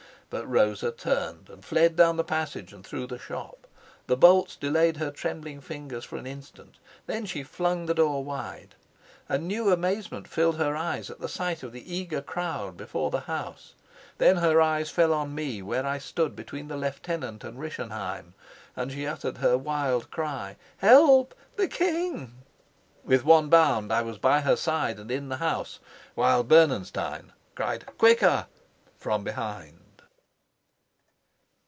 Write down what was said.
But Rosa turned and fled down the passage and through the shop. The bolts delayed her trembling fingers for an instant. Then she flung the door wide. A new amazement filled her eyes at the sight of the eager crowd before the house. Then her eyes fell on me where I stood between the lieutenant and Rischenheim, and she uttered her wild cry, "Help! The king!" With one bound I was by her side and in the house, while Bernenstein cried, "Quicker!" from behind.